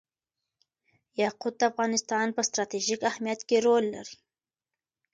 یاقوت د افغانستان په ستراتیژیک اهمیت کې رول لري.